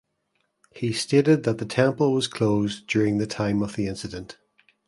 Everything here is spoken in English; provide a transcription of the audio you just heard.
He stated that the temple was closed during the time of the incident.